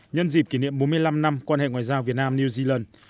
nhân dịp kỷ niệm bốn mươi năm năm quan hệ ngoại giao việt nam new zealand